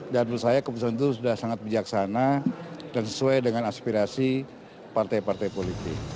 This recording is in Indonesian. dan menurut saya keputusan itu sudah sangat bijaksana dan sesuai dengan aspirasi partai partai politik